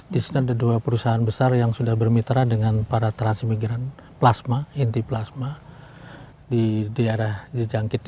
di sini ada dua perusahaan besar yang sudah bermitra dengan para transmigran plasma inti plasma di daerah jejangkit